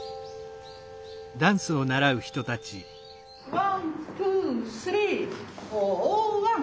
ワンツースリーフォーワン。